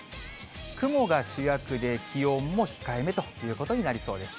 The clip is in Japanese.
雲が主役で気温も控えめということになりそうです。